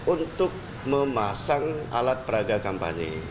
untuk memasang alat peraga kampanye